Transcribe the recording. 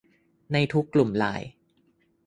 ในทุกกลุ่มไลน์